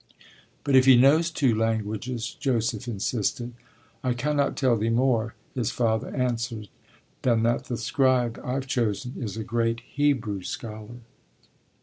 But if he knows two languages, Joseph insisted. I cannot tell thee more, his father answered, than that the scribe I've chosen is a great Hebrew scholar.